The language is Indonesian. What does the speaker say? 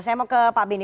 saya mau ke pak benny